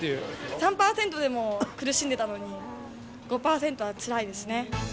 ３％でも苦しんでたのに、５％はつらいですね。